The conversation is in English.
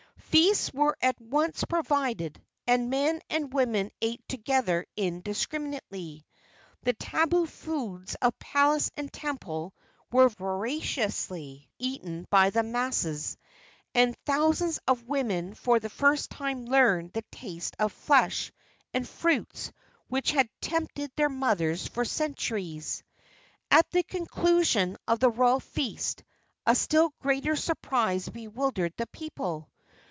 Feasts were at once provided, and men and women ate together indiscriminately. The tabu foods of palace and temple were voraciously eaten by the masses, and thousands of women for the first time learned the taste of flesh and fruits which had tempted their mothers for centuries. At the conclusion of the royal feast a still greater surprise bewildered the people.